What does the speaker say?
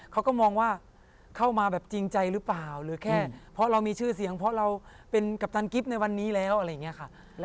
เขาก็มองว่าเข้ามาแบบจริงใจหรือเปล่าหรือแค่เพราะเรามีชื่อเสียงเพราะเราเป็นกัปตันกิฟต์ในวันนี้แล้วอะไรอย่างนี้ค่ะ